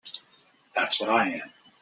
That's what I am.